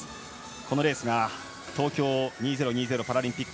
このレースが東京２０２０パラリンピック